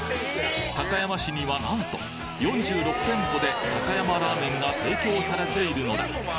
高山市には何と４６店舗で高山ラーメンが提供されているのだ